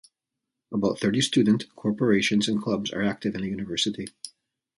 About thirty student corporations and clubs are active in the university.